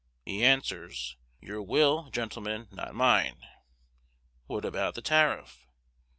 He answers, "Your will, gentlemen, not mine" "What about the tariff?"